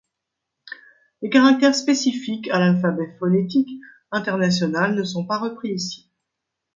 Les caractères spécifiques à l'alphabet phonétique international ne sont pas repris ici.